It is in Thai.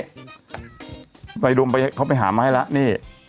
อะไรโดรมไปเขาไปหามาให้ล่ะนี่